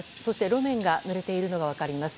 路面がぬれているのが分かります。